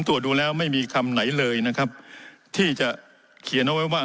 ตรวจดูแล้วไม่มีคำไหนเลยนะครับที่จะเขียนเอาไว้ว่า